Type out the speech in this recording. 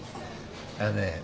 あのね